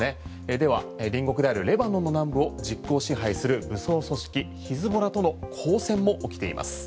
では隣国であるレバノンの南部を実効支配する武装組織ヒズボラとの交戦も起きています。